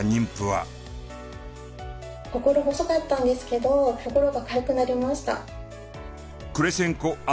心細かったんですけど心が軽くなりました。